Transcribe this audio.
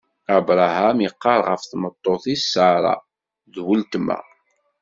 Abṛaham iqqar ɣef tmeṭṭut-is Ṣara: D weltma.